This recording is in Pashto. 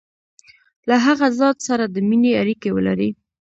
له هغه ذات سره د مینې اړیکي ولري.